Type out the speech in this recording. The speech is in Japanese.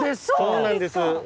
そうなんです。